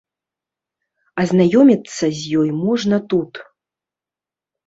Азнаёміцца з ёй можна тут.